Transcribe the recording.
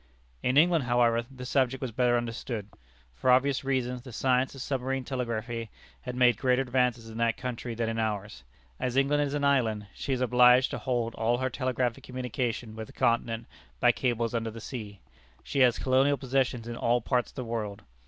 In England, however, the subject was better understood. For obvious reasons, the science of submarine telegraphy had made greater advances in that country than in ours. As England is an island, she is obliged to hold all her telegraphic communication with the continent by cables under the sea. She has colonial possessions in all parts of the world.